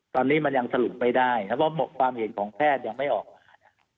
ตอนนี้มันยังสรุปไม่ได้แล้วก็ความเห็นของแพทย์ยังไม่ออกมานะครับ